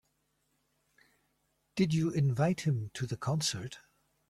Did you invite him to the concert?